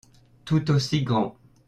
Tout aussi grand.